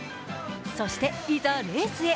そして、いざレースへ。